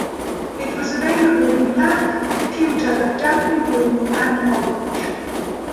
It was available in Black, Pewter, Daphne Blue and Orange.